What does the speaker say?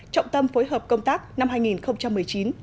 trọng tâm phối hợp công tác năm hai nghìn một mươi chín hai nghìn hai mươi